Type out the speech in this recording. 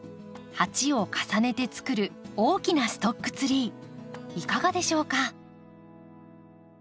鉢を重ねてつくる大きなストックツリーいかがでしょうか？